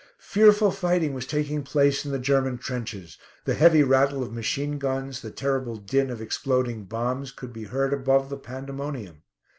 Fearful fighting was taking place in the German trenches. The heavy rattle of machine guns, the terrible din of exploding bombs, could be heard above the pandemonium.